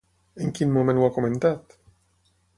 En quin moment ho ha comentat?